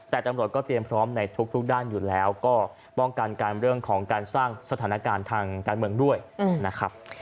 แต่ตำรวจก็เตรียมพร้อมในทุกด้านอยู่แล้วก็ป้องกันการเรื่องของการสร้างสถานการณ์ทางการเมืองด้วยนะครับ